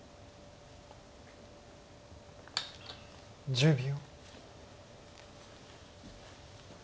１０秒。